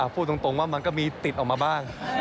พูดตรงว่ามันก็มีติดออกมาบ้าง